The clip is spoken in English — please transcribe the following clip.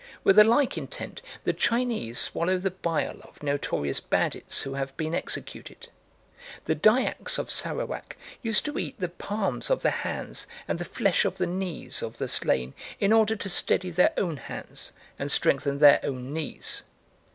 With a like intent the Chinese swallow the bile of notorious bandits who have been executed. The Dyaks of Sarawak used to eat the palms of the hands and the flesh of the knees of the slain in order to steady their own hands and strengthen their own knees.